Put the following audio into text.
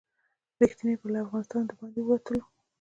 ریښې به «له افغانستانه د باندې ولټوو».